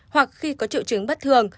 hoặc khi có triệu chứng bất thường